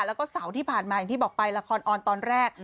แล้วก็เสาร์ที่ผ่านมาอย่างที่บอกไปละครออนตอนแรก